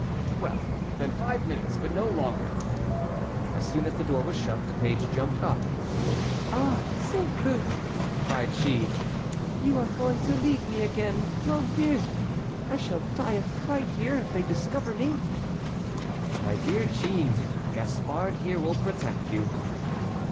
"Well, then, five minutes, but no longer." As soon as the door was shut, the page jumped up. "Ah! St. Luc," cried she, "you are going to leave me again. Mon Dieu! I shall die of fright here, if they discover me." "My dear Jeanne, Gaspard here will protect you."